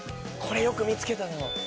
これよく見つけたな。